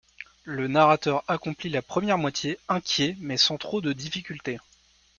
Le narrateur accomplit la première moitié, inquiet mais sans trop de difficultés.